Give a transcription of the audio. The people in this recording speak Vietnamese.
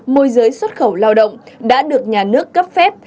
môi giới xuất khẩu lao động đã được nhà nước cấp phép